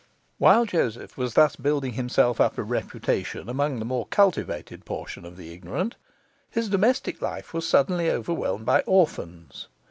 While Joseph was thus building himself up a reputation among the more cultivated portion of the ignorant, his domestic life was suddenly overwhelmed by orphans.